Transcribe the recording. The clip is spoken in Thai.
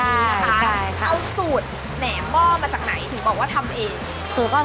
เอาสูตรแหนมหม้อมาจากไหนถึงบอกว่าทำเอง